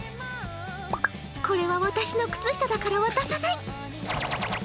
これは私の靴下だから渡さない！